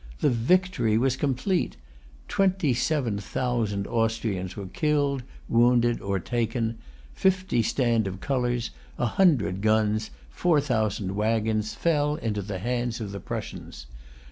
The victory was complete. Twenty seven thousand Austrians were killed, wounded, or taken; fifty stand of colors, a hundred guns, four thousand wagons, fell into the hands of the Prussians.